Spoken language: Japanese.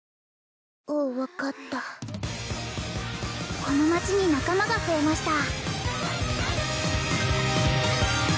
おおう分かったこの町に仲間が増えました